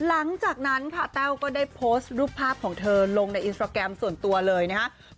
หลังจากนั้นค่ะแต้วก็ได้โพสต์รูปภาพของเธอลงในอินสตราแกรมส่วนตัวเลยนะครับ